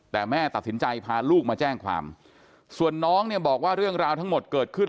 แต่แม่ตัดสินใจพาลูกมาแจ้งความส่วนน้องเนี่ยบอกว่าเรื่องราวทั้งหมดเกิดขึ้น